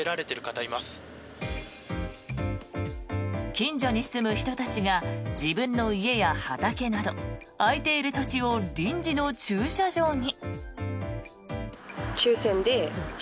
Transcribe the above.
近所に住む人たちが自分の家や畑など空いている土地を臨時の駐車場に。